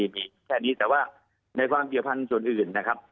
มีแค่นี้แต่ว่าในความเกี่ยวพันธุ์ส่วนอื่นนะครับ